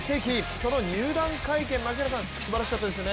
その入団会見、槙原さんすばらしかったですね。